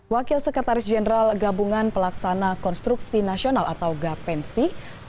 wakil sekretaris jenderal gabungan pelaksana konstruksi nasional atau gapensi